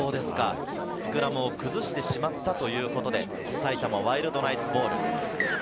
スクラムを崩してしまったということで、埼玉ワイルドナイツボール。